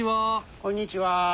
こんにちは。